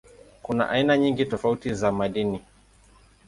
Kuna aina nyingi tofauti za madini.